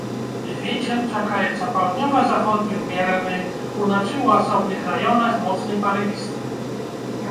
Вецер чакаецца паўднёва-заходні ўмераны, уначы ў асобных раёнах моцны парывісты.